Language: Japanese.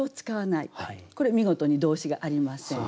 これ見事に動詞がありません。